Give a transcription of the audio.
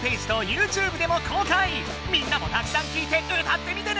みんなもたくさんきいて歌ってみてね！